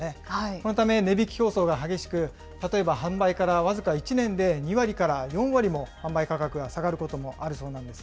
このため、値引き競争が激しく、例えば販売から僅か１年で、２割から４割も販売価格が下がることもあるそうなんです。